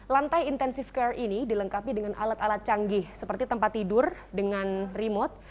lantai intensive care ini dilengkapi dengan alat alat canggih seperti tempat tidur dengan remote